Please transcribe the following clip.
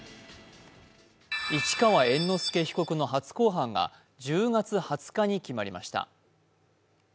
市川猿之助被告の初公判が１０月２０日に決まりました。